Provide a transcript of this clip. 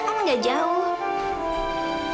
kamu tuh gak usah khawatir